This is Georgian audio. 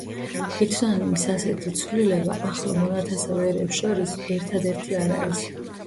ეთნონიმის ასეთი ცვლილება ახლო მონათესავე ერებს შორის ერთად ერთი არ არის.